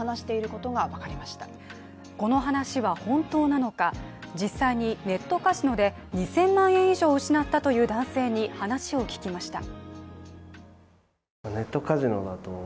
この話は本当なのか、実際にネットカジノで２０００万円以上を失ったという男性に話を聞きました。